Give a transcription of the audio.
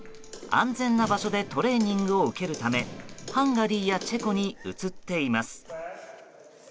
安全な場所でトレーニングを受けるためハンガリーやチェコに移っています。